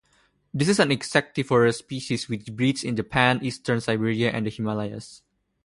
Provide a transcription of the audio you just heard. This is an insectivorous species which breeds in Japan, eastern Siberia and the Himalayas.